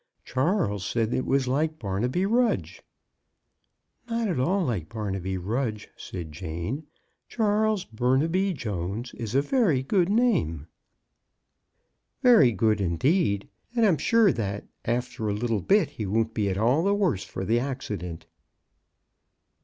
Charles said it was like Barnaby Rudge." Not at all like Barnaby Rudge," said Jane :'* Charles Burnaby Jones is a very good name.'* MRS. BROWN AT THOMPSON HALL. 79 Very good indeed — and I'm sure that after a little bit he won't be at all the worse for the accident."